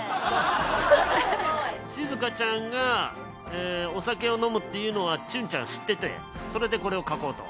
静香ちゃんがお酒を飲むっていうのはちゅんちゃん知っててそれでこれを描こうと？